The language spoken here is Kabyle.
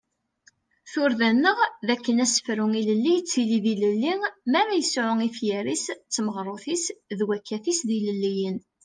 Turda-nneɣ d akken asefru ilelli yettili d ilelli mi ara ad yesɛu ifyar-is d tmaɣrut-is d wakat-is d ilelliyen.